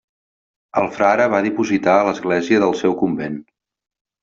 El frare va dipositar a l'església del seu convent.